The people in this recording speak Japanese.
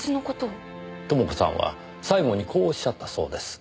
朋子さんは最期にこうおっしゃったそうです。